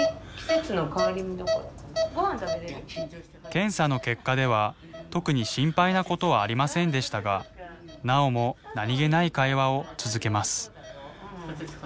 検査の結果では特に心配なことはありませんでしたがなおも何気ない会話を続けます。